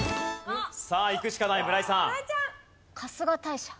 さあいくしかない村井さん。